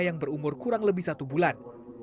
yang berumur kurang lebih satu bulan